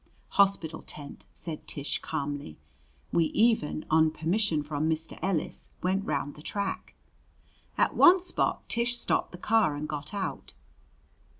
"Hospital tent," said Tish calmly. We even, on permission from Mr. Ellis, went round the track. At one spot Tish stopped the car and got out.